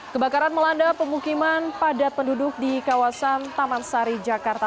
kebakaran melanda pemukiman padat penduduk di kawasan taman sari jakarta